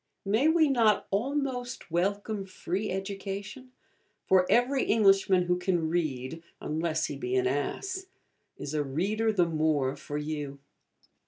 May we not almost welcome 'Free Education'? for every Englishman who can read, unless he be an Ass, is a reader the more for you.